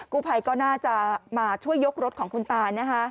ผู้ภัยก็น่าจะมาช่วยยกรถของคุณตานะคะ